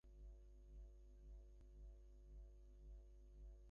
শহরের সেন্ট্রাল ক্লিনিকে গতকাল শনিবার রাতে চিকিৎসাধীন অবস্থায় এক শিশুর মৃত্যু হয়।